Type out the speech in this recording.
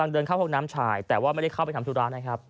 เดินเข้าห้องน้ำชายแต่ว่าไม่ได้เข้าไปทำธุระนะครับ